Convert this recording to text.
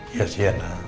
iya sih ya